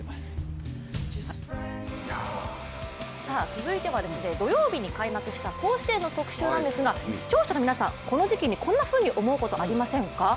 続いては土曜日に開幕した甲子園の特集なんですが視聴者の皆さん、この時期にこんなふうに思うことありませんか？